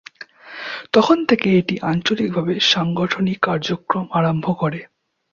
তখন থেকে এটি আঞ্চলিকভাবে সাংগঠনিক কার্যক্রম আরম্ভ করে।